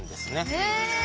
へえ！